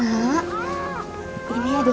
alhamdulillah ya allah